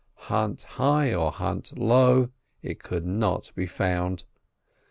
Hunt high or hunt low, it could not be found.